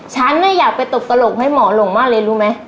ฉันอยากไปตบตลกให้หมอหลงมากเลยรู้ไหม